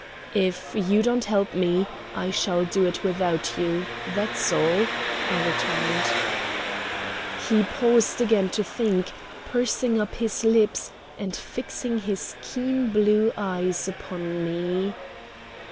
"If you don't help me, I shall do it without you, that's all," I returned. He paused again to think, pursing up his lips, and fixing his keen blue eyes upon me.